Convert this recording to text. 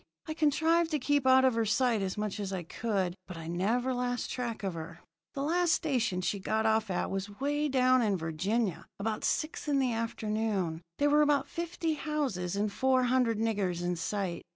I contrived to keep out of her sight as much as I could, but I never lost track of her. "The last station she got off at was away down in Virginia, about six in the afternoon. There were about fifty houses and four hundred niggers in sight.